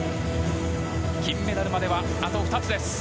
金メダルまではあと２つです。